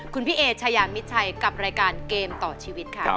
คุณพี่เอชายามิดชัยกับรายการเกมต่อชีวิตค่ะ